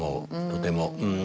とても。